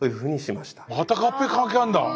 また合併関係あるんだ！